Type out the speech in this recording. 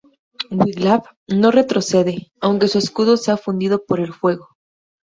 Wiglaf no retrocede, aunque su escudo se ha fundido por el fuego.